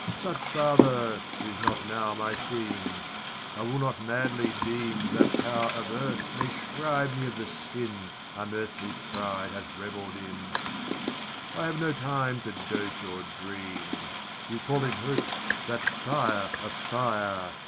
Such, father, is not (now) my theme I will not madly deem that power Of Earth may shrive me of the sin Unearthly pride hath revell'd in I have no time to dote or dream: You call it hope that fire of fire!